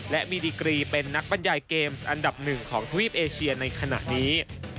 และมีดีกรีเป็นนักบรรยายเกมส์อันดับหนึ่งของทวีปเอเชียในขณะนี้